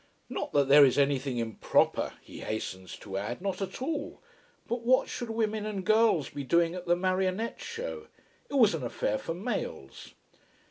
Not that there is anything improper, he hastens to add. Not at all. But what should women and girls be doing at the marionette show? It was an affair for males.